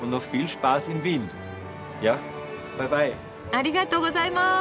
ありがとうございます。